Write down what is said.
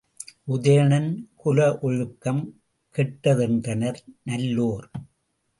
உதயணன் குல ஒழுக்கம் கெட்டதென்றனர் நல்லோர்.